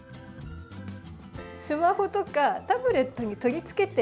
スマホとかタブレットに取りつけて。